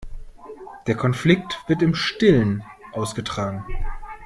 Der Konflikt wird im Stillen ausgetragen.